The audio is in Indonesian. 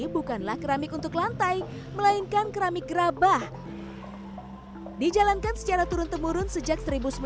bukanlah keramik untuk lantai melainkan keramik gerabah dijalankan secara turun temurun sejak